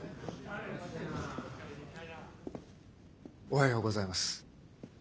おはようございます。